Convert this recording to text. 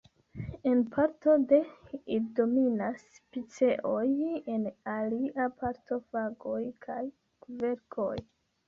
En parto de ili dominas piceoj, en alia parto fagoj kaj kverkoj.